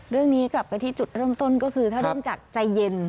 เรื่องนี้กลับไปที่จุดเริ่มต้นก็คือถ้าเริ่มจากใจเย็น